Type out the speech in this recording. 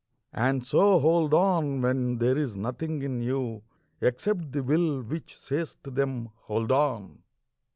And so hold on when there is nothing in you Except the Will which says to them: 'Hold on!'